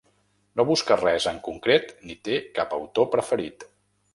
No busca res en concret ni té cap autor preferit.